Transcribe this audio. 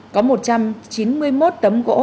có một trăm chín mươi một tấm gỗ